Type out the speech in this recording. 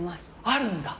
あるんだ！